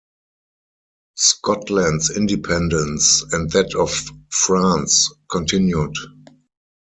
Scotland's independence and that of France continued.